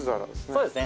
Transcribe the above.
そうですね